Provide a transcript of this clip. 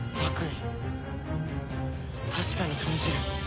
確かに感じる。